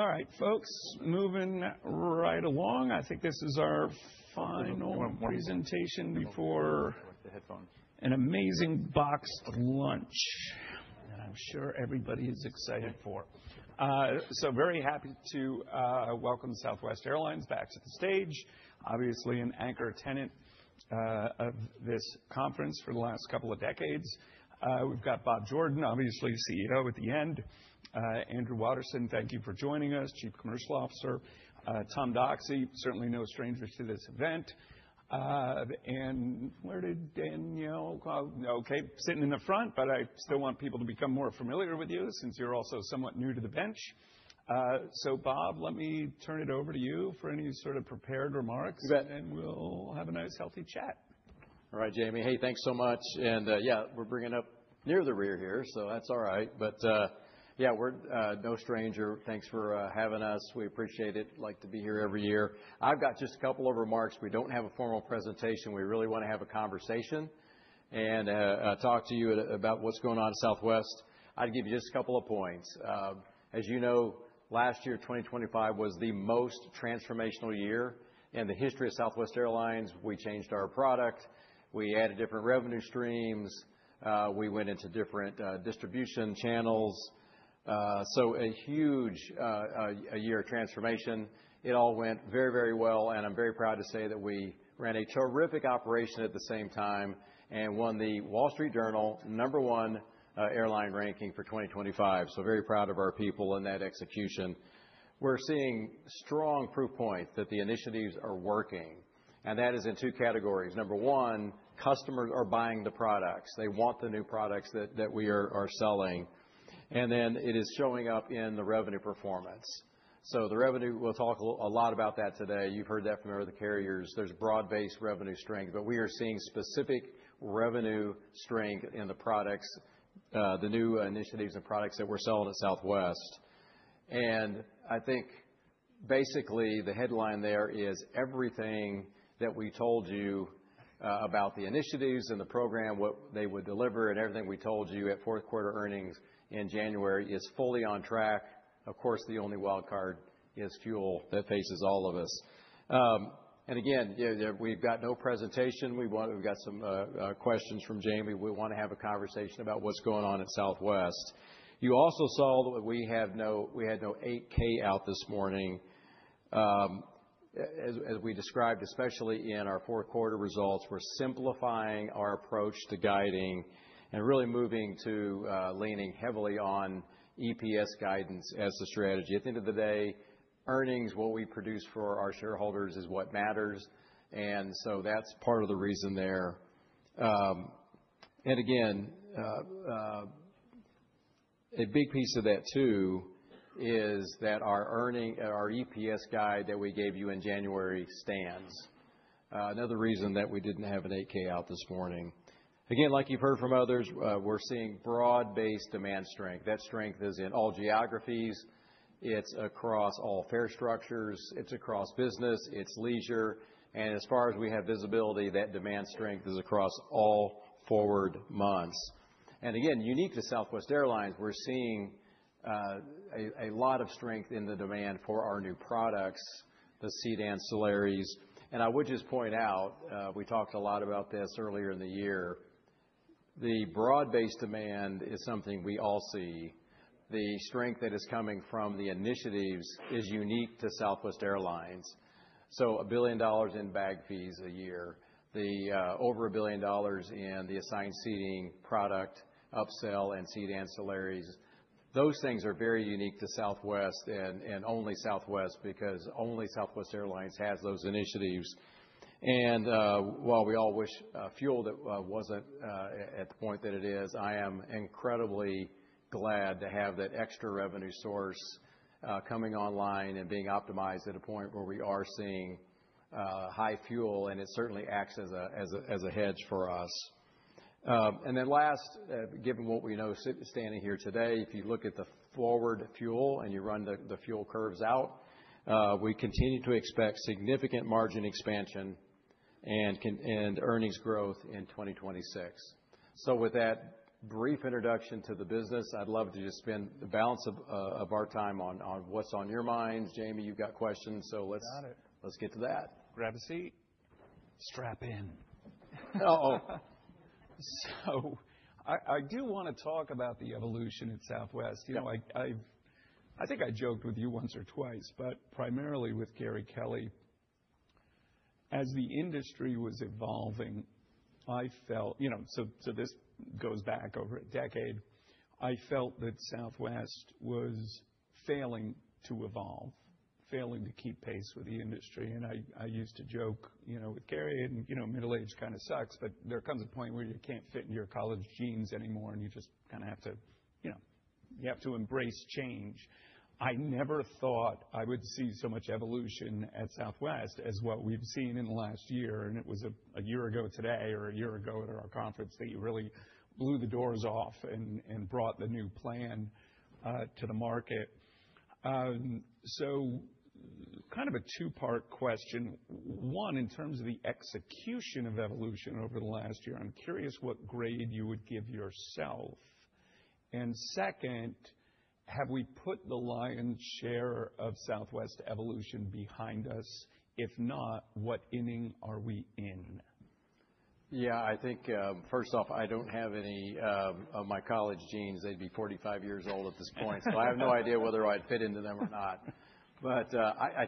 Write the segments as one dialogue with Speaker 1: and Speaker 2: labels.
Speaker 1: All right, folks. Moving right along. I think this is our final presentation before an amazing boxed lunch that I'm sure everybody is excited for. Very happy to welcome Southwest Airlines back to the stage. Obviously, an anchor tenant of this conference for the last couple of decades. We've got Bob Jordan, obviously CEO at the end. Andrew Watterson, thank you for joining us, Chief Commercial Officer. Tom Doxey, certainly no stranger to this event. Where did Danielle go? Okay, sitting in the front, but I still want people to become more familiar with you since you're also somewhat new to the bench. Bob, let me turn it over to you for any sort of prepared remarks.
Speaker 2: You bet.
Speaker 1: We'll have a nice healthy chat.
Speaker 2: All right, Jamie. Hey, thanks so much. Yeah, we're bringing up near the rear here, so that's all right. Yeah, we're no stranger. Thanks for having us. We appreciate it. Like to be here every year. I've got just a couple of remarks. We don't have a formal presentation. We really wanna have a conversation and talk to you about what's going on at Southwest. I'd give you just a couple of points. As you know, last year, 2025 was the most transformational year in the history of Southwest Airlines. We changed our product. We added different revenue streams. We went into different distribution channels. A huge year of transformation. It all went very, very well, and I'm very proud to say that we ran a terrific operation at the same time and won The Wall Street Journal number one airline ranking for 2025. Very proud of our people in that execution. We're seeing strong proof points that the initiatives are working, and that is in two categories. Number one, customers are buying the products. They want the new products that we are selling. Then it is showing up in the revenue performance. The revenue, we'll talk a lot about that today. You've heard that from other carriers. There's broad-based revenue strength. We are seeing specific revenue strength in the products, the new initiatives and products that we're selling at Southwest. I think basically the headline there is everything that we told you about the initiatives and the program, what they would deliver, and everything we told you at fourth quarter earnings in January is fully on track. Of course, the only wild card is fuel that faces all of us. Again, we've got no presentation. We've got some questions from Jamie. We wanna have a conversation about what's going on at Southwest. You also saw that we had no 8-K out this morning. As we described, especially in our fourth quarter results, we're simplifying our approach to guiding and really moving to leaning heavily on EPS guidance as the strategy. At the end of the day, earnings, what we produce for our shareholders is what matters. That's part of the reason there. A big piece of that too is that our EPS guide that we gave you in January stands. Another reason that we didn't have an 8-K out this morning. Like you've heard from others, we're seeing broad-based demand strength. That strength is in all geographies. It's across all fare structures. It's across business. It's leisure. As far as we have visibility, that demand strength is across all forward months. Unique to Southwest Airlines, we're seeing a lot of strength in the demand for our new products, the seat ancillaries. I would just point out, we talked a lot about this earlier in the year. The broad-based demand is something we all see. The strength that is coming from the initiatives is unique to Southwest Airlines. $1 billion in bag fees a year, over $1 billion in the assigned seating product, upsell, and seat ancillaries, those things are very unique to Southwest and only Southwest because only Southwest Airlines has those initiatives. While we all wish fuel that wasn't at the point that it is, I am incredibly glad to have that extra revenue source coming online and being optimized at a point where we are seeing high fuel, and it certainly acts as a hedge for us. Given what we know standing here today, if you look at the forward fuel and you run the fuel curves out, we continue to expect significant margin expansion and earnings growth in 2026. With that brief introduction to the business, I'd love to just spend the balance of our time on what's on your minds. Jamie, you've got questions, so let's.
Speaker 1: Got it.
Speaker 2: Let's get to that.
Speaker 1: Grab a seat. Strap in.
Speaker 2: Uh-oh.
Speaker 1: I do wanna talk about the evolution at Southwest.
Speaker 2: Yeah.
Speaker 1: You know, I think I joked with you once or twice, but primarily with Gary Kelly. As the industry was evolving, I felt, you know, this goes back over a decade. I felt that Southwest was failing to evolve, failing to keep pace with the industry. I used to joke, you know, with Gary, and you know, middle age kinda sucks, but there comes a point where you can't fit in your college jeans anymore, and you just kinda have to, you know, you have to embrace change. I never thought I would see so much evolution at Southwest as what we've seen in the last year, and it was a year ago today or a year ago at our conference that you really blew the doors off and brought the new plan to the market. Kind of a two-part question. One, in terms of the execution of evolution over the last year, I'm curious what grade you would give yourself. Second, have we put the lion's share of Southwest evolution behind us? If not, what inning are we in?
Speaker 2: Yeah, I think, first off, I don't have any of my college jeans. They'd be 45 years old at this point. I have no idea whether I'd fit into them or not. I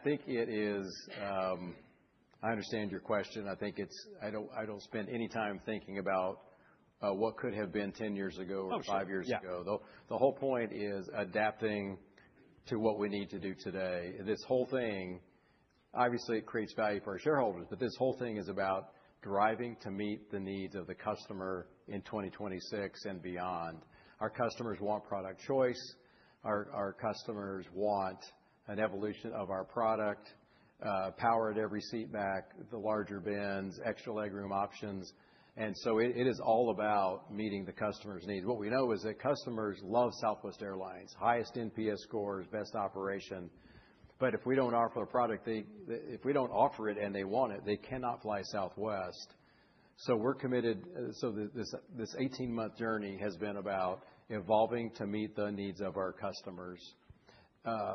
Speaker 2: understand your question. I don't spend any time thinking about what could have been 10 years ago.
Speaker 1: Oh, sure.
Speaker 2: five years ago.
Speaker 1: Yeah.
Speaker 2: The whole point is adapting to what we need to do today. This whole thing, obviously it creates value for our shareholders, but this whole thing is about driving to meet the needs of the customer in 2026 and beyond. Our customers want product choice. Our customers want an evolution of our product, power at every seat back, the larger bins, Extra Legroom options. It is all about meeting the customer's needs. What we know is that customers love Southwest Airlines, highest NPS scores, best operation. But if we don't offer a product, if we don't offer it and they want it, they cannot fly Southwest. We're committed. This 18-month journey has been about evolving to meet the needs of our customers. 88%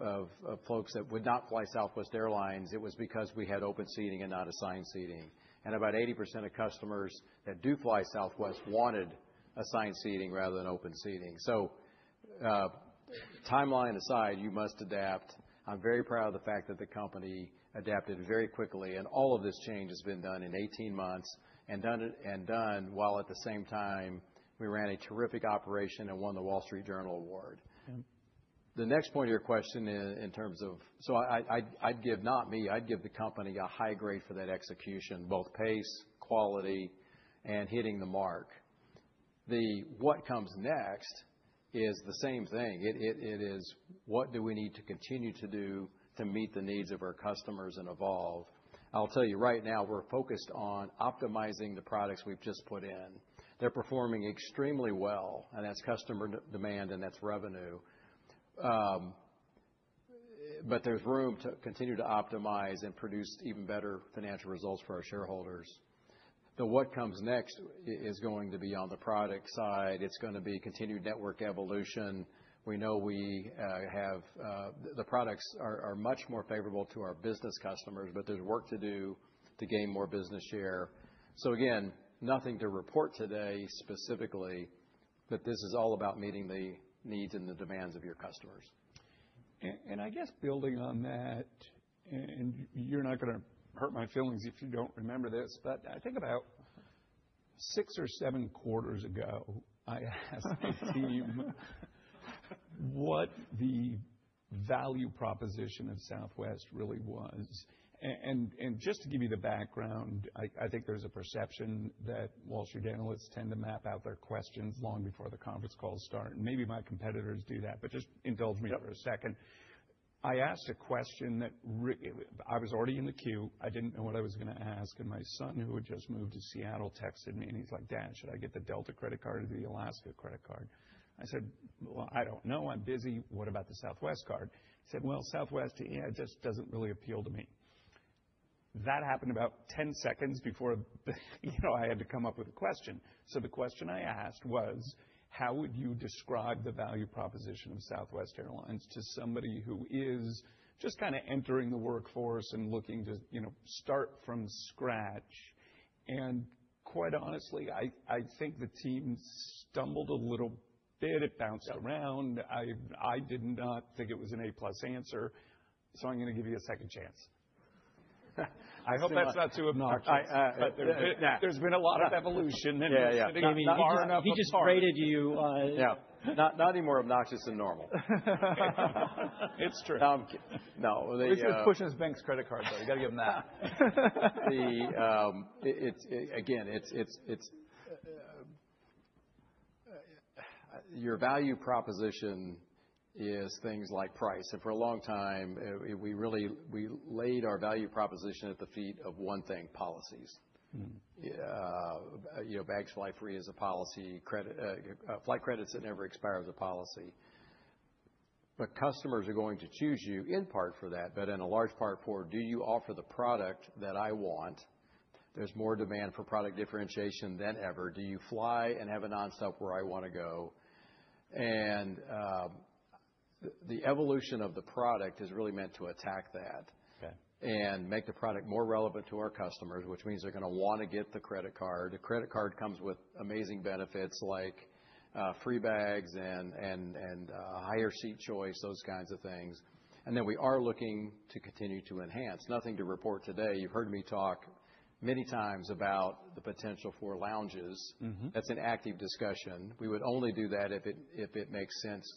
Speaker 2: of folks that would not fly Southwest Airlines, it was because we had open seating and not assigned seating. About 80% of customers that do fly Southwest wanted assigned seating rather than open seating. Timeline aside, you must adapt. I'm very proud of the fact that the company adapted very quickly, and all of this change has been done in 18 months and done while at the same time we ran a terrific operation and won the Wall Street Journal award.
Speaker 1: Yeah.
Speaker 2: The next point of your question in terms of. I'd give, not me, I'd give the company a high grade for that execution, both pace, quality, and hitting the mark. What comes next is the same thing. It is what do we need to continue to do to meet the needs of our customers and evolve? I'll tell you right now, we're focused on optimizing the products we've just put in. They're performing extremely well, and that's customer demand and that's revenue. But there's room to continue to optimize and produce even better financial results for our shareholders. What comes next is going to be on the product side. It's gonna be continued network evolution. We know we have the products are much more favorable to our business customers, but there's work to do to gain more business share. Again, nothing to report today specifically, but this is all about meeting the needs and the demands of your customers.
Speaker 1: I guess building on that, and you're not gonna hurt my feelings if you don't remember this, but I think about six or seven quarters ago, I asked the team what the value proposition of Southwest really was. Just to give you the background, I think there's a perception that Wall Street analysts tend to map out their questions long before the conference calls start. Maybe my competitors do that, but just indulge me for a second.
Speaker 2: Yep.
Speaker 1: I asked a question. I was already in the queue. I didn't know what I was gonna ask, and my son, who had just moved to Seattle, texted me, and he's like, "Dad, should I get the Delta credit card or the Alaska credit card?" I said, "Well, I don't know. I'm busy. What about the Southwest card?" He said, "Well, Southwest, yeah, just doesn't really appeal to me." That happened about 10 seconds before, you know, I had to come up with a question. The question I asked was. How would you describe the value proposition of Southwest Airlines to somebody who is just kind of entering the workforce and looking to, you know, start from scratch? Quite honestly, I think the team stumbled a little bit. It bounced around. I did not think it was an A+ answer. I'm gonna give you a second chance.
Speaker 2: I hope that's not too obnoxious.
Speaker 1: There's been a lot of evolution and sitting far enough apart.
Speaker 2: Yeah, yeah. Not anymore.
Speaker 1: He just graded you a-
Speaker 2: Yeah. Not any more obnoxious than normal.
Speaker 1: It's true.
Speaker 2: No, they.
Speaker 1: He's still pushing his bank's credit card, though. You gotta give him that.
Speaker 2: Your value proposition is things like price. For a long time, we really laid our value proposition at the feet of one thing, policies. You know, Bags Fly Free is a policy. Flight credits that never expire is a policy. Customers are going to choose you in part for that, but in a large part for do you offer the product that I want? There's more demand for product differentiation than ever. Do you fly and have a nonstop where I wanna go? The evolution of the product is really meant to attack that.
Speaker 1: Okay.
Speaker 2: Make the product more relevant to our customers, which means they're gonna wanna get the credit card. The credit card comes with amazing benefits like free bags and higher seat choice, those kinds of things. We are looking to continue to enhance. Nothing to report today. You've heard me talk many times about the potential for lounges. That's an active discussion. We would only do that if it makes sense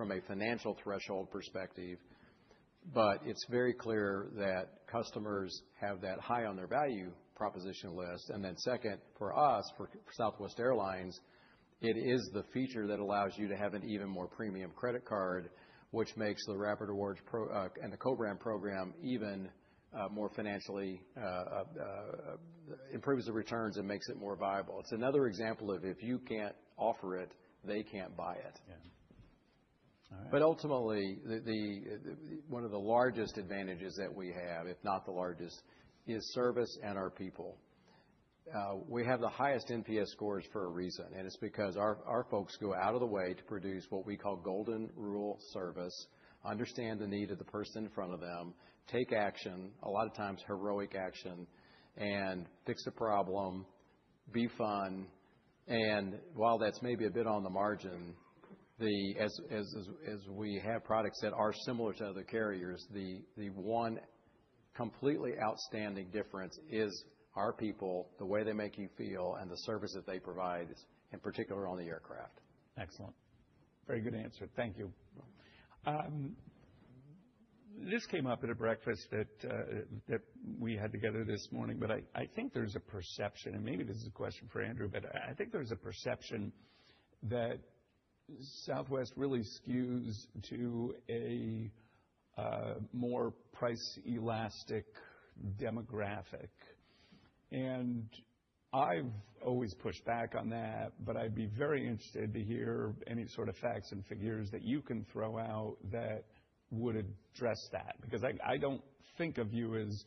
Speaker 2: from a financial threshold perspective. It's very clear that customers have that high on their value proposition list. Second, for us, for Southwest Airlines, it is the feature that allows you to have an even more premium credit card, which makes the Rapid Rewards and the co-brand program even more financially improves the returns and makes it more viable. It's another example of if you can't offer it, they can't buy it.
Speaker 1: Yeah.
Speaker 2: Ultimately, one of the largest advantages that we have, if not the largest, is service and our people. We have the highest NPS scores for a reason, and it's because our folks go out of the way to produce what we call Golden Rule service, understand the need of the person in front of them, take action, a lot of times heroic action, and fix the problem, be fun. While that's maybe a bit on the margin, as we have products that are similar to other carriers, the one completely outstanding difference is our people, the way they make you feel, and the service that they provide, in particular on the aircraft.
Speaker 1: Excellent. Very good answer. Thank you. This came up at a breakfast that we had together this morning, but I think there's a perception, and maybe this is a question for Andrew, but I think there's a perception that Southwest really skews to a more price elastic demographic. I've always pushed back on that, but I'd be very interested to hear any sort of facts and figures that you can throw out that would address that. Because I don't think of you as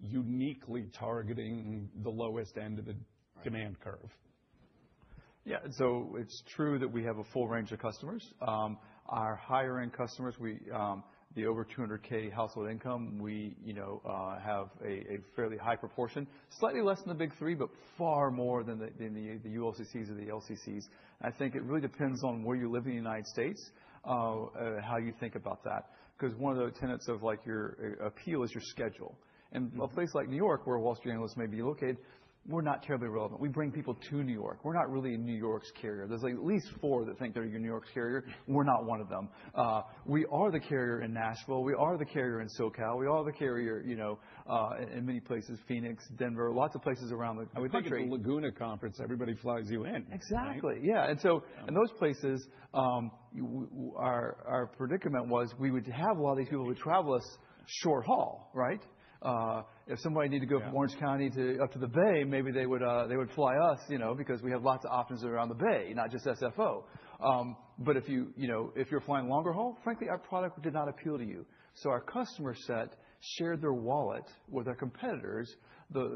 Speaker 1: uniquely targeting the lowest end of the demand curve.
Speaker 3: Yeah. It's true that we have a full range of customers. Our higher end customers, the over 200K household income, we, you know, have a fairly high proportion. Slightly less than the big three, but far more than the ULCCs or the LCCs. I think it really depends on where you live in the United States, how you think about that. 'Cause one of the tenets of, like, your appeal is your schedule. In a place like New York, where Wall Street analysts may be located, we're not terribly relevant. We bring people to New York. We're not really a New York's carrier. There's, like, at least four that think they're New York's carrier. We're not one of them. We are the carrier in Nashville. We are the carrier in SoCal. We are the carrier, you know, in many places, Phoenix, Denver, lots of places around the country.
Speaker 1: Like at the Laguna conference, everybody flies you in.
Speaker 3: Exactly, yeah. In those places, our predicament was we would have all these people who travel us short haul, right? If somebody needed to go from Orange County to up to the Bay, maybe they would fly us, you know. Because we have lots of options around the Bay, not just SFO. But if you know, if you're flying longer haul, frankly, our product did not appeal to you. Our customer set shared their wallet with our competitors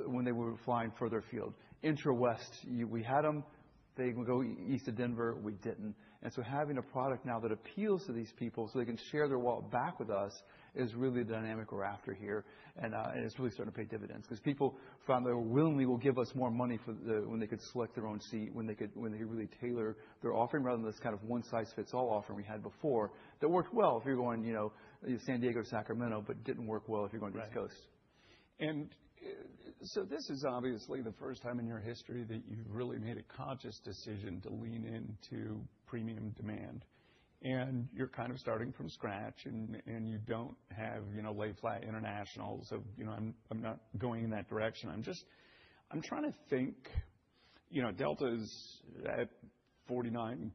Speaker 3: when they were flying further afield. Interwest, we had them. They would go east of Denver. We didn't. Having a product now that appeals to these people so they can share their wallet back with us is really the dynamic we're after here. It's really starting to pay dividends 'cause people found they willingly will give us more money when they could select their own seat, when they really tailor their offering rather than this kind of one-size-fits-all offering we had before that worked well if you're going, you know, San Diego to Sacramento, but didn't work well if you're going to the East Coast.
Speaker 1: Right. This is obviously the first time in your history that you've really made a conscious decision to lean into premium demand. You're kind of starting from scratch and you don't have, you know, lie-flat international. You know, I'm not going in that direction. I'm just trying to think. You know, Delta is at 49%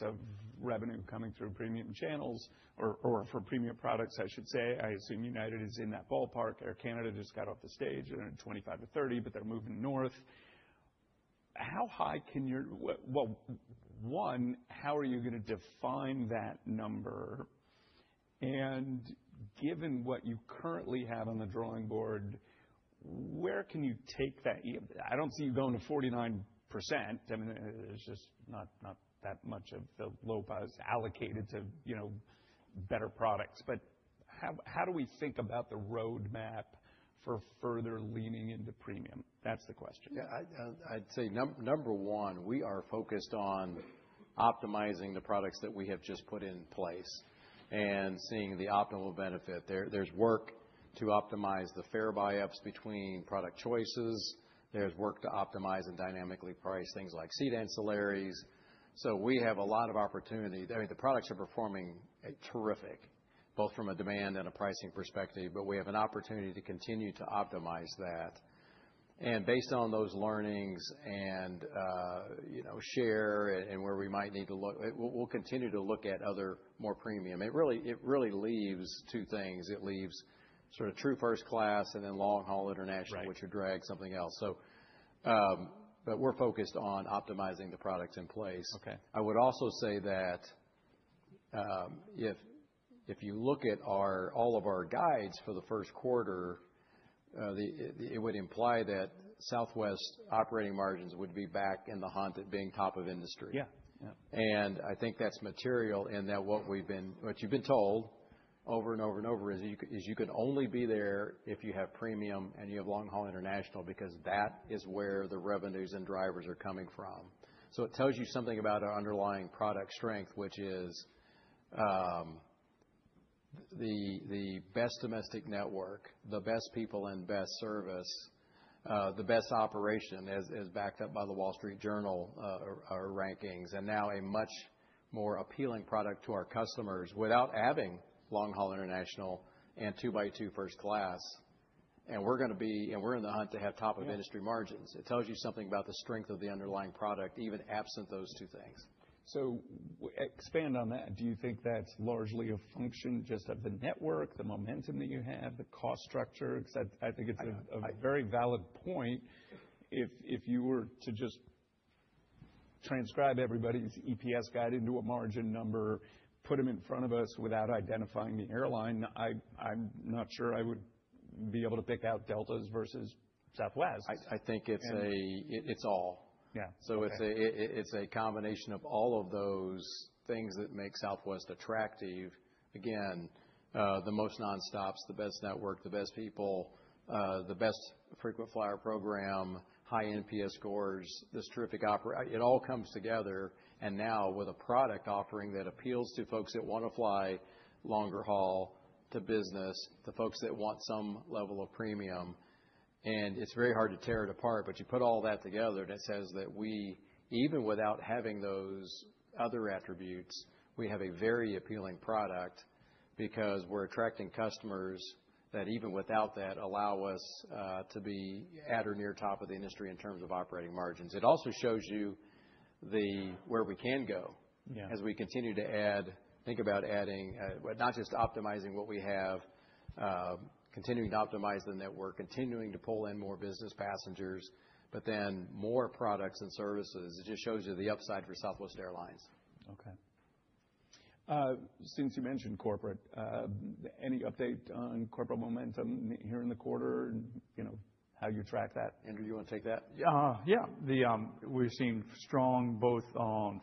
Speaker 1: of revenue coming through premium channels or for premium products, I should say. I assume United is in that ballpark. Air Canada just got off the stage. They're at 25-30%, but they're moving north. How high can your well, one, how are you gonna define that number? Given what you currently have on the drawing board, where can you take that? I don't see you going to 49%. I mean, there's just not that much of the load that's allocated to, you know, better products. How do we think about the roadmap for further leaning into premium? That's the question.
Speaker 2: Yeah. I'd say number one, we are focused on optimizing the products that we have just put in place and seeing the optimal benefit. There's work to optimize the fare buy-ups between product choices. There's work to optimize and dynamically price things like seat ancillaries. We have a lot of opportunity. I mean, the products are performing terrific, both from a demand and a pricing perspective, but we have an opportunity to continue to optimize that. Based on those learnings and sort of where we might need to look, we'll continue to look at other more premium. It really leaves two things. It leaves sort of true first class and then long-haul international.
Speaker 1: Right.
Speaker 2: which would drag something else. We're focused on optimizing the products in place.
Speaker 1: Okay.
Speaker 2: I would also say that if you look at all of our guides for the first quarter, it would imply that Southwest operating margins would be back in the hunt at being top of industry.
Speaker 1: Yeah. Yeah.
Speaker 2: I think that's material and that what you've been told over and over and over is you can only be there if you have premium and you have long-haul international, because that is where the revenues and drivers are coming from. It tells you something about our underlying product strength, which is the best domestic network, the best people and best service, the best operation as backed up by The Wall Street Journal rankings, and now a much more appealing product to our customers without adding long-haul international and two-by-two first class. We're in the hunt to have top of industry margins. It tells you something about the strength of the underlying product, even absent those two things.
Speaker 1: Expand on that. Do you think that's largely a function just of the network, the momentum that you have, the cost structure? 'Cause I think it's a very valid point if you were to just transcribe everybody's EPS guide into a margin number, put them in front of us without identifying the airline. I'm not sure I would be able to pick out Delta's versus Southwest.
Speaker 2: I think it's all.
Speaker 1: Yeah.
Speaker 2: It's a combination of all of those things that make Southwest attractive. Again, the most nonstops, the best network, the best people, the best frequent flyer program, high NPS scores, this terrific operations. It all comes together, and now with a product offering that appeals to folks that wanna fly longer haul to business, to folks that want some level of premium, and it's very hard to tear it apart. You put all that together, that says that we, even without having those other attributes, we have a very appealing product because we're attracting customers that even without that allow us to be at or near top of the industry in terms of operating margins. It also shows you where we can go.
Speaker 1: Yeah
Speaker 2: as we continue to think about adding, not just optimizing what we have, continuing to optimize the network, continuing to pull in more business passengers, but then more products and services. It just shows you the upside for Southwest Airlines.
Speaker 1: Okay. Since you mentioned corporate, any update on corporate momentum here in the quarter? You know, how you track that.
Speaker 2: Andrew, you wanna take that?
Speaker 3: Yeah. We're seeing strong both on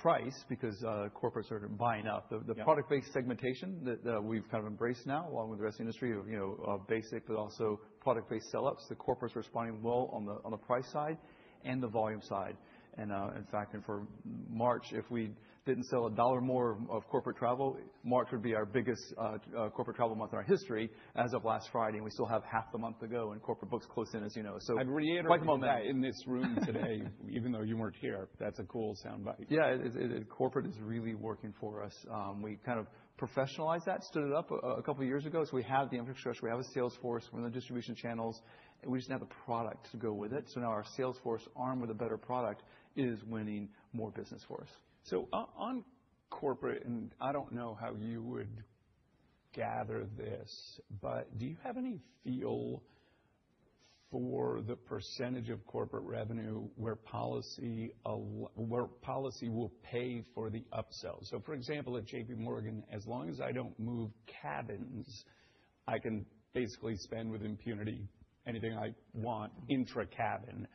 Speaker 3: price because corporates are buying up. The product-based segmentation that we've kind of embraced now along with the rest of the industry, you know, of Basic, but also product-based sell-ups. Corporates are responding well on the price side and the volume side. In fact, for March, if we didn't sell $1 more of corporate travel, March would be our biggest corporate travel month in our history as of last Friday, and we still have half the month to go, and corporate books close in, as you know. Quite the momentum.
Speaker 1: I'd reiterate that in this room today, even though you weren't here. That's a cool soundbite.
Speaker 3: Yeah. Corporate is really working for us. We kind of professionalized that, stood it up a couple of years ago. We have the infrastructure, we have a sales force, we're in the distribution channels, and we just now have the product to go with it. Now our sales force, armed with a better product, is winning more business for us.
Speaker 1: On corporate, and I don't know how you would gather this, but do you have any feel for the percentage of corporate revenue where policy will pay for the upsell? For example, at J.P. Morgan, as long as I don't move cabins, I can basically spend with impunity anything I want intra-cabin.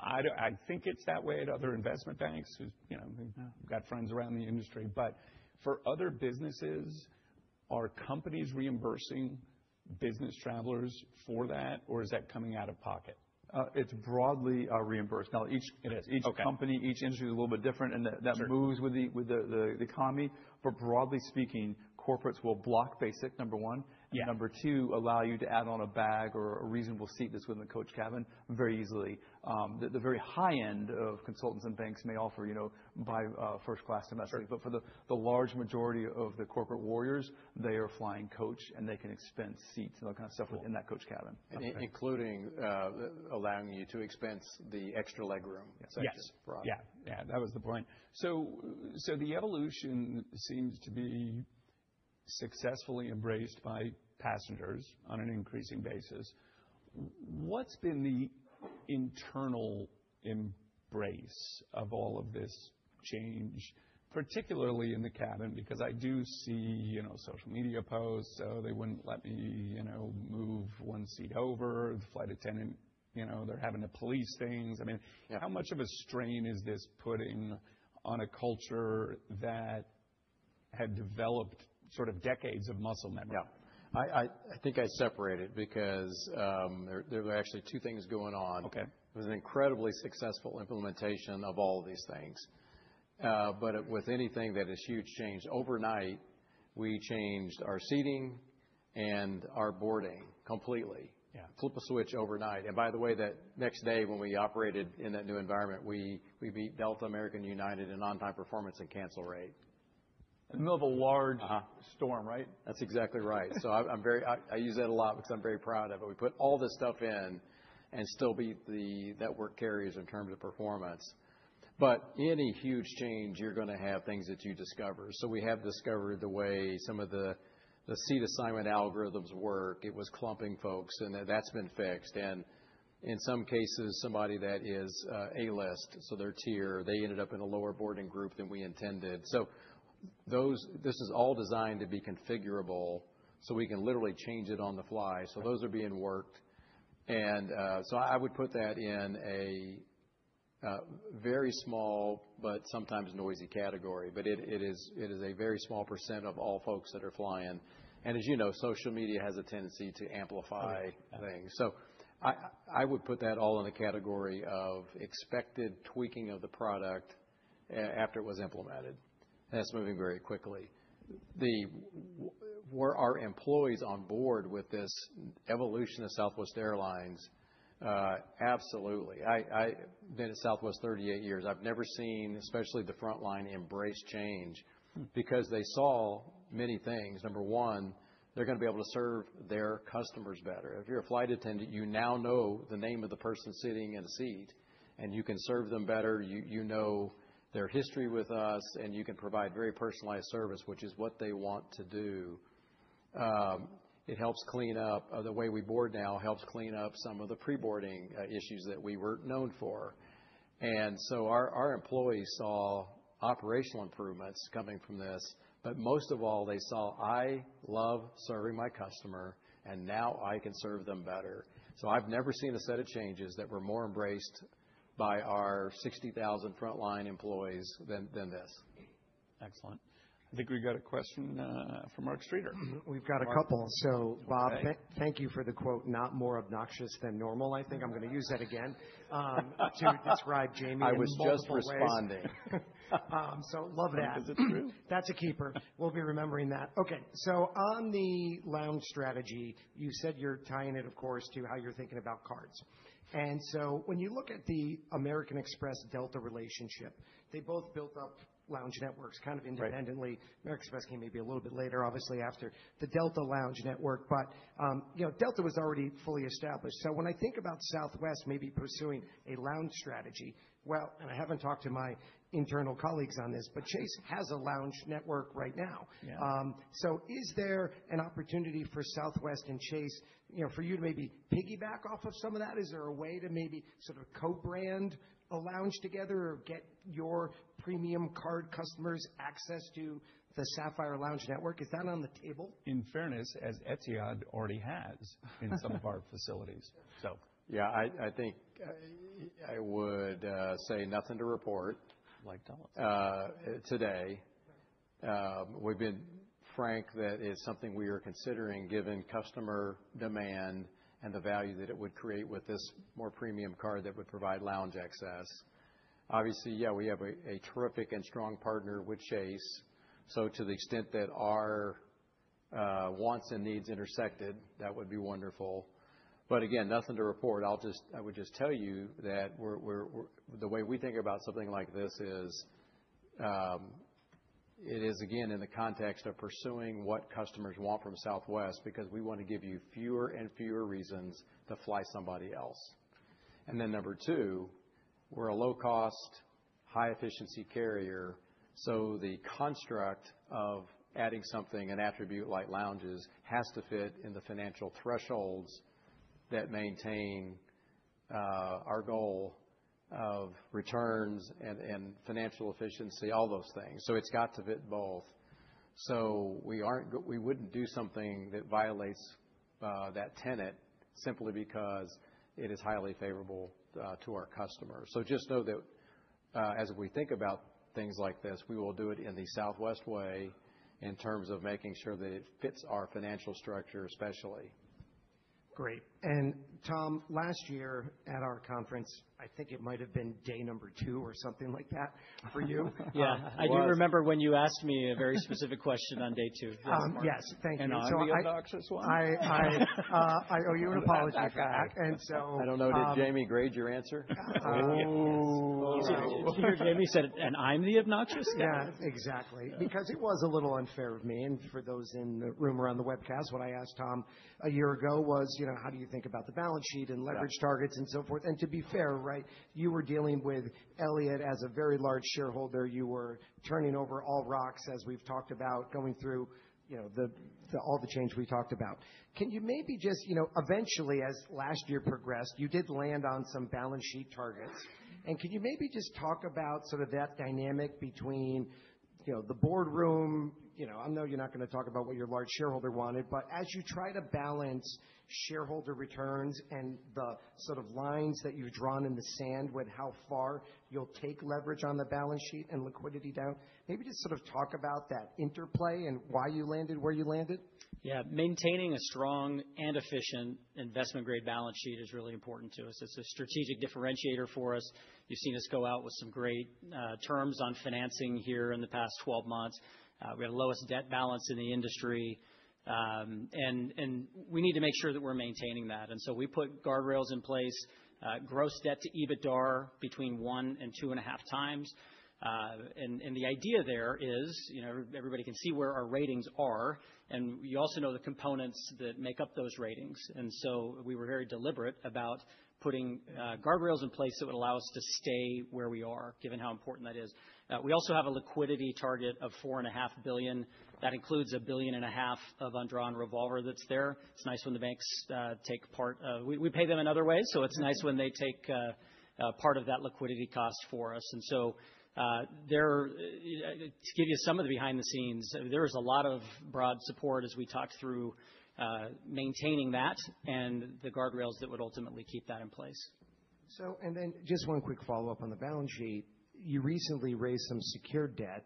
Speaker 1: I think it's that way at other investment banks who've, you know, got friends around the industry. For other businesses, are companies reimbursing business travelers for that, or is that coming out of pocket?
Speaker 3: It's broadly reimbursed. Now each-
Speaker 1: It is. Okay.
Speaker 3: Each company, each industry is a little bit different, and that.
Speaker 1: Sure
Speaker 3: that moves with the economy. Broadly speaking, corporates will book Basic, number one.
Speaker 1: Yeah.
Speaker 3: Number two, allow you to add on a bag or a reasonable seat that's within the coach cabin very easily. The very high end of consultants and banks may offer, you know, buy first class domestically.
Speaker 1: Sure.
Speaker 3: For the large majority of the corporate warriors, they are flying coach, and they can expense seats and that kind of stuff within that coach cabin.
Speaker 1: Okay.
Speaker 2: Including, allowing you to expense the Extra Legroom section.
Speaker 3: Yes.
Speaker 1: Right.
Speaker 3: Yeah. Yeah, that was the point.
Speaker 1: The evolution seems to be successfully embraced by passengers on an increasing basis. What's been the internal embrace of all of this change, particularly in the cabin? Because I do see, you know, social media posts, so they wouldn't let me, you know, move one seat over. The flight attendant, you know, they're having to police things. I mean
Speaker 3: Yeah
Speaker 1: How much of a strain is this putting on a culture that had developed sort of decades of muscle memory?
Speaker 3: Yeah.
Speaker 2: I think I separate it because there were actually two things going on.
Speaker 1: Okay.
Speaker 2: It was an incredibly successful implementation of all these things. With anything that is huge change, overnight, we changed our seating and our boarding completely.
Speaker 1: Yeah.
Speaker 2: Flipped a switch overnight. By the way, that next day when we operated in that new environment, we beat Delta, American, United in on-time performance and cancel rate.
Speaker 1: In the middle of a large storm, right?
Speaker 2: That's exactly right. I'm very proud of it. We put all this stuff in and still beat the network carriers in terms of performance. Any huge change, you're gonna have things that you discover. We have discovered the way some of the seat assignment algorithms work. It was clumping folks, and that's been fixed. In some cases, somebody that is A-List, so their tier, they ended up in a lower boarding group than we intended. This is all designed to be configurable, so we can literally change it on the fly. Those are being worked. I would put that in a very small but sometimes noisy category. It is a very small percent of all folks that are flying. As you know, social media has a tendency to amplify things. I would put that all in a category of expected tweaking of the product after it was implemented. That's moving very quickly. Were our employees on board with this evolution of Southwest Airlines? Absolutely. I've been at Southwest 38 years. I've never seen, especially the frontline, embrace change because they saw many things. Number one, they're gonna be able to serve their customers better. If you're a flight attendant, you now know the name of the person sitting in a seat, and you can serve them better. You know their history with us, and you can provide very personalized service, which is what they want to do. It helps clean up the way we board now helps clean up some of the pre-boarding issues that we were known for. Our employees saw operational improvements coming from this, but most of all they saw, "I love serving my customer, and now I can serve them better." I've never seen a set of changes that were more embraced by our 60,000 frontline employees than this.
Speaker 1: Excellent. I think we got a question from Mark Streeter.
Speaker 4: We've got a couple. Bob, thank you for the quote, "not more obnoxious than normal," I think I'm gonna use that again, to describe Jamie in multiple ways.
Speaker 2: I was just responding.
Speaker 4: love that.
Speaker 1: Is it true?
Speaker 4: That's a keeper. We'll be remembering that. Okay, so on the lounge strategy, you said you're tying it, of course, to how you're thinking about cards. When you look at the American Express Delta relationship, they both built up lounge networks kind of independently.
Speaker 2: Right.
Speaker 4: American Express came maybe a little bit later, obviously after the Delta lounge network. Delta was already fully established. When I think about Southwest maybe pursuing a lounge strategy, well, and I haven't talked to my internal colleagues on this, but Chase has a lounge network right now.
Speaker 2: Yeah.
Speaker 4: Is there an opportunity for Southwest and Chase, you know, for you to maybe piggyback off of some of that? Is there a way to maybe sort of co-brand a lounge together or get your premium card customers access to the Sapphire lounge network? Is that on the table?
Speaker 5: In fairness, as Etihad already has in some of our facilities.
Speaker 2: Yeah, I think I would say nothing to report.
Speaker 1: Like Delta.
Speaker 2: Today. We've been frank that it's something we are considering given customer demand and the value that it would create with this more premium card that would provide lounge access. Obviously, yeah, we have a terrific and strong partner with Chase, so to the extent that our wants and needs intersect, that would be wonderful. Again, nothing to report. I would just tell you that the way we think about something like this is, it is, again, in the context of pursuing what customers want from Southwest, because we wanna give you fewer and fewer reasons to fly somebody else. Number two, we're a low-cost, high-efficiency carrier, so the construct of adding something, an attribute like lounges, has to fit in the financial thresholds that maintain our goal of returns and financial efficiency, all those things. It's got to fit both. We wouldn't do something that violates that tenet simply because it is highly favorable to our customers. Just know that, as we think about things like this, we will do it in the Southwest way in terms of making sure that it fits our financial structure, especially.
Speaker 4: Great. Tom, last year at our conference, I think it might have been day number two or something like that for you.
Speaker 5: Yeah. I do remember when you asked me a very specific question on day two.
Speaker 4: Yes. Thank you.
Speaker 2: I'm the obnoxious one?
Speaker 4: I owe you an apology for that.
Speaker 2: I don't know, did Jamie grade your answer?
Speaker 5: Ooh.
Speaker 2: Yes.
Speaker 5: Did you hear Jamie said, "And I'm the obnoxious?
Speaker 4: Yeah, exactly, because it was a little unfair of me. For those in the room or on the webcast, what I asked Tom a year ago was, you know, how do you think about the balance sheet and leverage targets and so forth? To be fair, right, you were dealing with Elliott as a very large shareholder. You were turning over all rocks, as we've talked about, going through, you know, all the change we talked about. Can you maybe just, you know, eventually, as last year progressed, you did land on some balance sheet targets. Can you maybe just talk about sort of that dynamic between, you know, the boardroom, you know, I know you're not gonna talk about what your large shareholder wanted, but as you try to balance shareholder returns and the sort of lines that you've drawn in the sand with how far you'll take leverage on the balance sheet and liquidity down, maybe just sort of talk about that interplay and why you landed where you landed?
Speaker 5: Yeah. Maintaining a strong and efficient investment-grade balance sheet is really important to us. It's a strategic differentiator for us. You've seen us go out with some great terms on financing here in the past 12 months. We have the lowest debt balance in the industry. And we need to make sure that we're maintaining that. We put guardrails in place, gross debt to EBITDAR between 1 and 2.5x. The idea there is, you know, everybody can see where our ratings are, and you also know the components that make up those ratings. We were very deliberate about putting guardrails in place that would allow us to stay where we are, given how important that is. We also have a liquidity target of $4.5 billion. That includes $1.5 billion of undrawn revolver that's there. It's nice when the banks take part. We pay them in other ways, so it's nice when they take part of that liquidity cost for us. To give you some of the behind the scenes, there is a lot of broad support as we talked through maintaining that and the guardrails that would ultimately keep that in place.
Speaker 4: just one quick follow-up on the balance sheet. You recently raised some secured debt.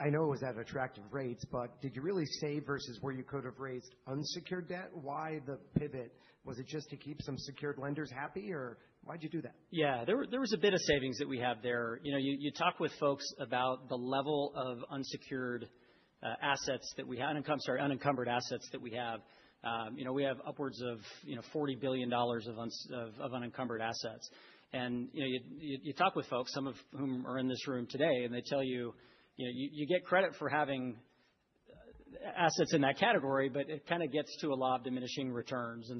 Speaker 4: I know it was at attractive rates, but did you really save versus where you could have raised unsecured debt? Why the pivot? Was it just to keep some secured lenders happy, or why'd you do that?
Speaker 5: Yeah. There was a bit of savings that we have there. You know, you talk with folks about the level of unsecured assets that we had, and I'm sorry, unencumbered assets that we have. You know, we have upwards of $40 billion of unencumbered assets. You know, you talk with folks, some of whom are in this room today, and they tell you know, you get credit for having assets in that category, but it kind of gets to a law of diminishing returns.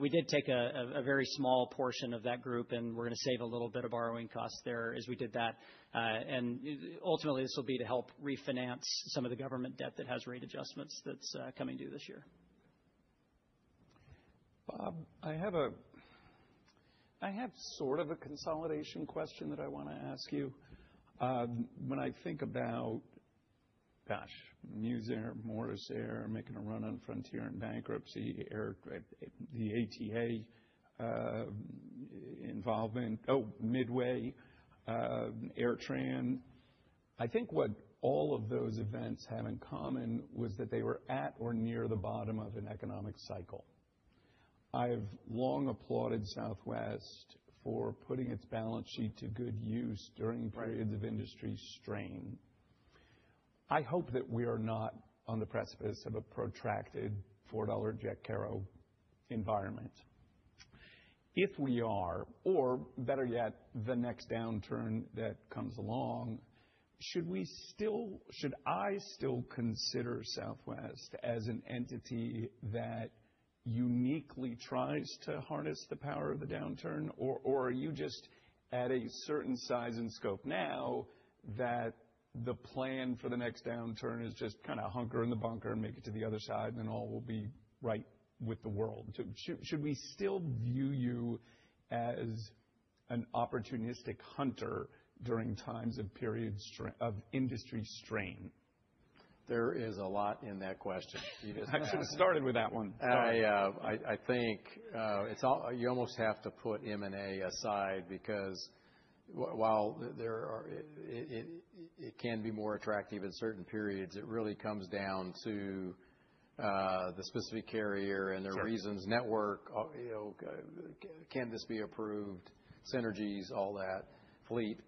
Speaker 5: We did take a very small portion of that group, and we're gonna save a little bit of borrowing costs there as we did that. Ultimately, this will be to help refinance some of the government debt that has rate adjustments that's coming due this year.
Speaker 1: I have sort of a consolidation question that I wanna ask you. When I think about, gosh, Muse Air, Morris Air making a run on Frontier in bankruptcy, the ATA, involving Midway, AirTran. I think what all of those events have in common was that they were at or near the bottom of an economic cycle. I've long applauded Southwest for putting its balance sheet to good use during periods of industry strain. I hope that we are not on the precipice of a protracted $4 jet fuel environment. If we are, or better yet, the next downturn that comes along, should I still consider Southwest as an entity that uniquely tries to harness the power of a downturn, or you just at a certain size and scope now that the plan for the next downturn is just kinda hunker in the bunker and make it to the other side, and all will be right with the world? Should we still view you as an opportunistic hunter during times of periods of industry strain?
Speaker 2: There is a lot in that question.
Speaker 1: I should have started with that one.
Speaker 2: I think it's all. You almost have to put M&A aside because it can be more attractive in certain periods. It really comes down to the specific carrier and their reasons, network. You know, can this be approved, synergies, all the fleet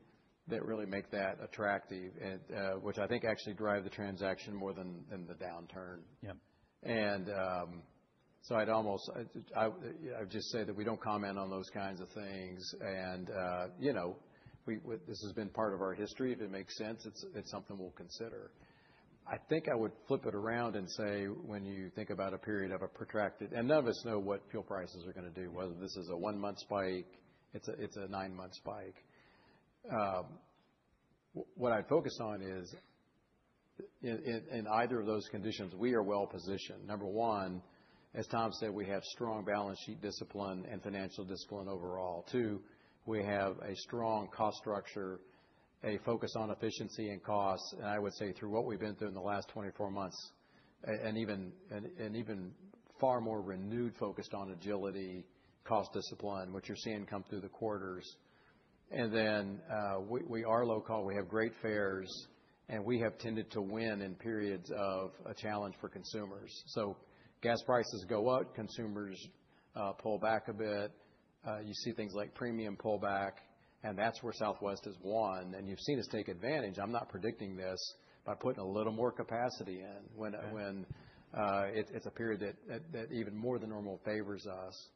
Speaker 2: that really make that attractive and which I think actually drive the transaction more than the downturn.
Speaker 1: Yeah.
Speaker 2: I would just say that we don't comment on those kinds of things. You know, this has been part of our history. If it makes sense, it's something we'll consider. I think I would flip it around and say, when you think about a period of a protracted. None of us know what fuel prices are gonna do, whether this is a one-month spike, it's a nine-month spike. What I'd focus on is in either of those conditions, we are well-positioned. Number one, as Tom said, we have strong balance sheet discipline and financial discipline overall. Two, we have a strong cost structure, a focus on efficiency and costs, and I would say through what we've been through in the last 24 months, and even far more renewed focus on agility, cost discipline, which you're seeing come through the quarters. We are low-cost, we have great fares, and we have tended to win in periods of a challenge for consumers. Gas prices go up, consumers pull back a bit. You see things like premium pullback, and that's where Southwest has won. You've seen us take advantage. I'm not predicting this by putting a little more capacity in when it's a period that even more than normal favors us.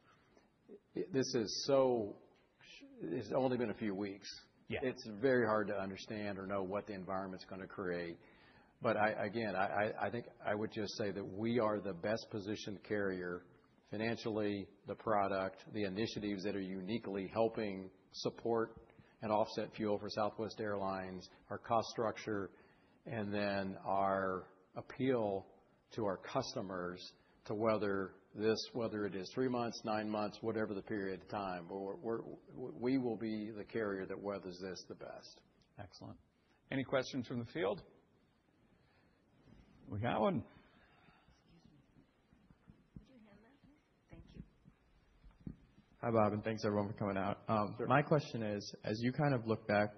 Speaker 2: This is so. It's only been a few weeks.
Speaker 1: Yeah.
Speaker 2: It's very hard to understand or know what the environment's gonna create. Again, I think I would just say that we are the best-positioned carrier financially, the product, the initiatives that are uniquely helping support and offset fuel for Southwest Airlines, our cost structure, and then our appeal to our customers to weather this, whether it is three months, nine months, whatever the period of time. We will be the carrier that weathers this the best.
Speaker 1: Excellent. Any questions from the field? We got one. Excuse me. Could you hand that, please? Thank you.
Speaker 6: Hi, Bob, and thanks, everyone, for coming out.
Speaker 2: Sure.
Speaker 6: My question is, as you kind of look back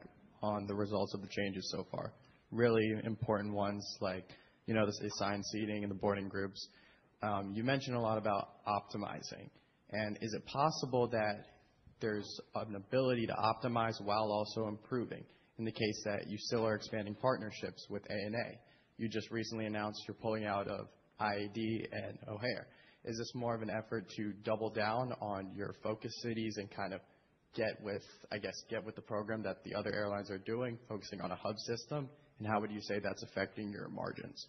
Speaker 6: on the results of the changes so far, really important ones like, you know, the assigned seating and the boarding groups, you mentioned a lot about optimizing. Is it possible that there's an ability to optimize while also improving in the case that you still are expanding partnerships with ANA? You just recently announced you're pulling out of IAD and O'Hare. Is this more of an effort to double down on your focus cities and kind of get with the program that the other airlines are doing, focusing on a hub system? How would you say that's affecting your margins?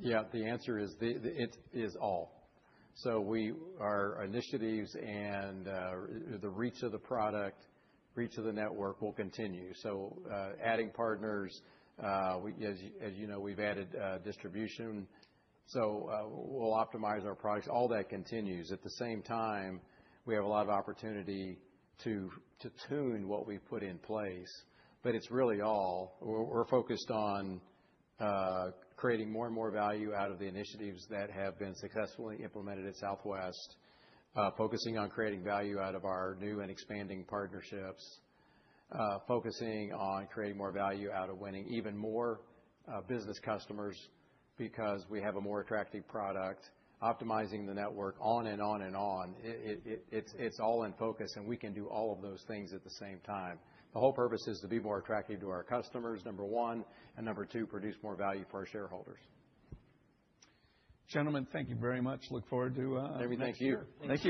Speaker 2: Yeah. It is all. Our initiatives and the reach of the product, reach of the network will continue. Adding partners, as you know, we've added distribution. We'll optimize our products. All that continues. At the same time, we have a lot of opportunity to tune what we put in place, but it's really all. We're focused on creating more and more value out of the initiatives that have been successfully implemented at Southwest, focusing on creating value out of our new and expanding partnerships, focusing on creating more value out of winning even more business customers because we have a more attractive product, optimizing the network on and on and on. It's all in focus, and we can do all of those things at the same time. The whole purpose is to be more attractive to our customers, one, and two, produce more value for our shareholders.
Speaker 1: Gentlemen, thank you very much. Look forward to.
Speaker 2: Andrew, thank you.
Speaker 1: Next year. Thank you.